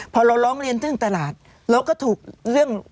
พอเราร้องเรียนเรื่องตลาดเราก็ถูกเรื่อง